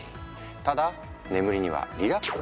ただ眠りにはリラックスも大切。